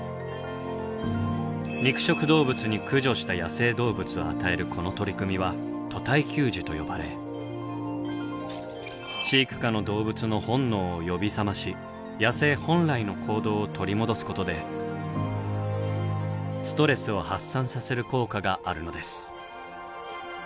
肉食動物に駆除した野生動物を与えるこの取り組みは「屠体給餌」と呼ばれ飼育下の動物の本能を呼び覚まし野生本来の行動を取り戻すことでストレスを発散させる効果があるのです。